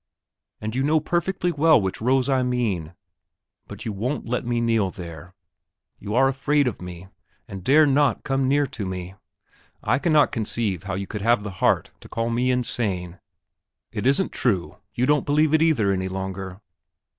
and you know perfectly well which rose I mean, but you won't let me kneel there. You are afraid of me, and dare not come near to me. I cannot conceive how you could have the heart to call me insane. It isn't true; you don't believe it, either, any longer?